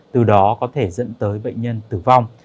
từ đó có thể dẫn tới bệnh nhân tử vong